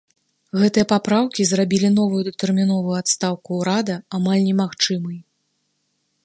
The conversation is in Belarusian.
Гэтыя папраўкі зрабілі новую датэрміновую адстаўку ўрада амаль немагчымай.